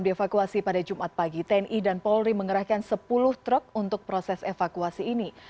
dievakuasi pada jumat pagi tni dan polri mengerahkan sepuluh truk untuk proses evakuasi ini